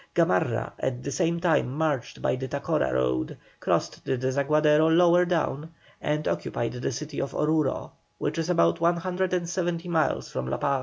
Gamarra at the same time marched by the Tacora road, crossed the Desaguadero lower down, and occupied the city of Oruro, which is about 170 miles from La Paz.